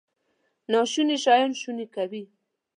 ناشوني شیان شوني کوي.